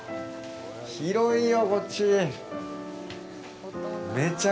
広いよ、こっち。